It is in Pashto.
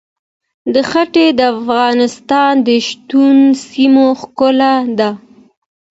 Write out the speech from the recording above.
دښتې د افغانستان د شنو سیمو ښکلا ده.